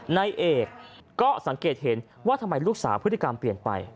นายเอกก็สังเกตเห็นว่าทำไมลูกสาวพฤติกรรมเปลี่ยนไป